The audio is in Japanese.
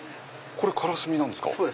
これカラスミなんですか